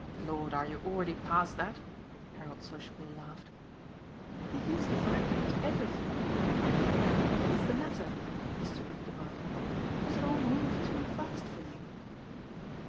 "Lord, are you already past that?" Harold sociably laughed. "He used to vibrate to everything. My dear man, what IS the matter?" Mrs. Brook demanded. "Does it all move too fast for you?"